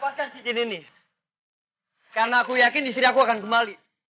ya aku gak akan lepaskan cincin ini karena aku yakin istri aku akan kembali